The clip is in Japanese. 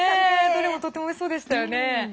どれもとてもおいしそうでしたよね。